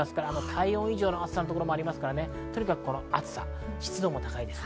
体温以上の暑さのところもありますから、湿度も高いです。